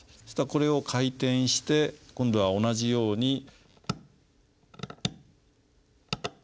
そしたらこれを回転して今度は同じように。